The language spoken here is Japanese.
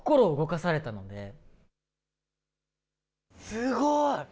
すごい！